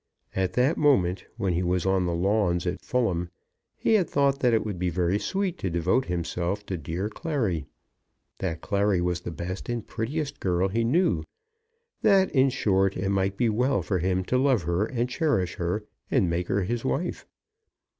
At that moment, when he was on the lawn at Fulham, he had thought that it would be very sweet to devote himself to dear Clary, that Clary was the best and prettiest girl he knew, that, in short, it might be well for him to love her and cherish her and make her his wife.